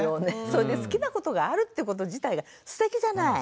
それで好きなことがあるってこと自体がすてきじゃない？